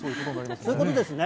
そういうことですね。